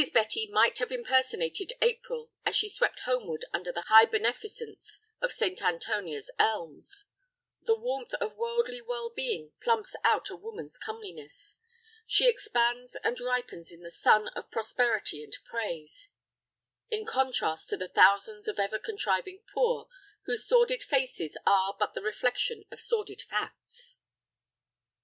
Betty might have impersonated April as she swept homeward under the high beneficence of St. Antonia's elms. The warmth of worldly well being plumps out a woman's comeliness. She expands and ripens in the sun of prosperity and praise, in contrast to the thousands of the ever contriving poor, whose sordid faces are but the reflection of sordid facts.